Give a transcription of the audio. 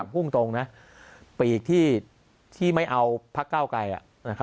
ภูมิตรงไปอีกที่ที่ไม่เอาภักดิ์เก้าไกร